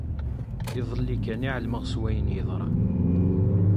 Iḍelli kan i ɛelmeɣ s wayen yeḍran.